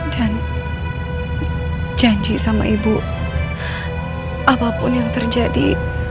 dan janji sama ibu apapun yang terjadi